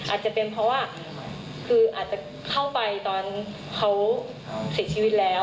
อาจจะเป็นเพราะว่าคืออาจจะเข้าไปตอนเขาเสียชีวิตแล้ว